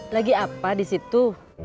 lagi apa disitu